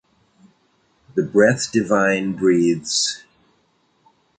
The Breath Divine breathes.